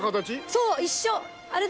そう一緒！